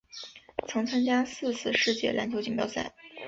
曾参加四次世界篮球锦标赛。